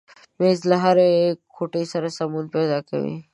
مېز له هرې کوټې سره سمون پیدا کوي.